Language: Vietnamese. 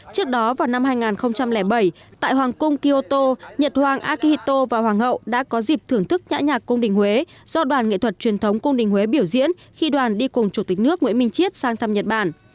trước đó vào năm hai nghìn bảy tại hoàng cung kyoto nhật hoàng akihito và hoàng hậu đã có dịp thưởng thức nhã nhạc cung đình huế do đoàn nghệ thuật truyền thống cung đình huế biểu diễn khi đoàn đi cùng chủ tịch nước nguyễn minh chiết sang thăm nhật bản